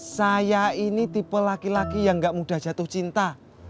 saya ini tipe laki laki yang gak mudah jatuh cinta